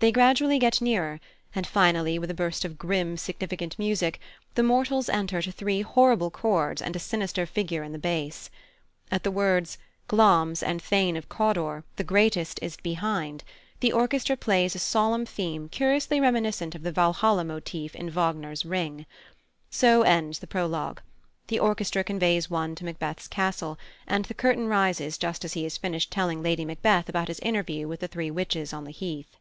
They gradually get nearer, and finally, with a burst of grim, significant music, the mortals enter to three horrible chords and a sinister figure in the bass. At the words, "Glamis, and thane of Cawdor! The greatest is behind," the orchestra plays a solemn theme curiously reminiscent of the Valhalla motif in Wagner's Ring. So ends the prologue; the orchestra conveys one to Macbeth's castle, and the curtain rises just as he has finished telling Lady Macbeth about his interview with the three witches on the heath.